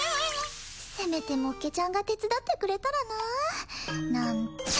せめてもっけちゃんが手伝ってくれたらなあなんて！？